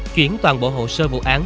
chuyển toàn bộ hồ sơ vụ án